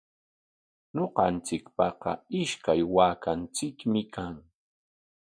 Ñuqanchikpaqa ishkay waakanchikmi kan.